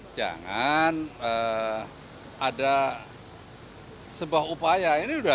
jangan ada sebuah upaya